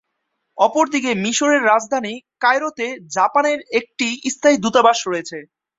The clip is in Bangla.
অপরদিকে মিশরের রাজধানী কায়রোতে জাপানের একটি স্থায়ী দূতাবাস রয়েছে।